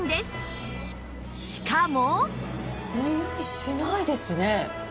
しかも